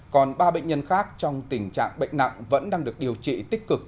còn ba bệnh nhân khác trong tình trạng bệnh nặng vẫn đang được điều trị tích cực